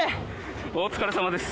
お疲れさまです。